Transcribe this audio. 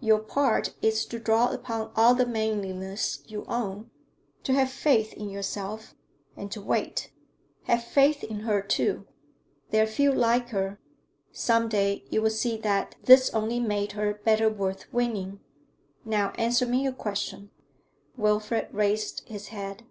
Your part is to draw upon all the manliness you own, to have faith in yourself, and to wait. Have faith in her, too; there are few like her; some day you will see that this only made her better worth winning. Now answer me a question.' Wilfrid raised his head.